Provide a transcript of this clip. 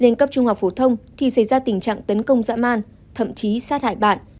lên cấp trung học phổ thông thì xảy ra tình trạng tấn công dã man thậm chí sát hại bạn